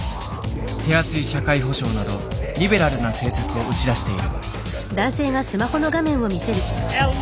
手厚い社会保障などリベラルな政策を打ち出している。